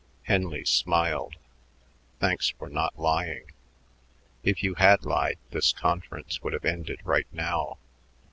Henley smiled. "Thanks for not lying. If you had lied, this conference would have ended right now.